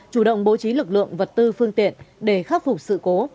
chủ động bố trí lực lượng vật tư phương tiện để khắc phục sự cố